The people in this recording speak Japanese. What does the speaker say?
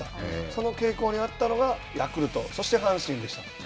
その傾向にあったのがヤクルト、そして阪神でした。